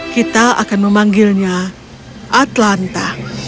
kita akan memanggilnya atlanta